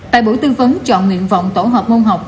tại buổi tư vấn chọn nguyện vọng tổ hợp môn học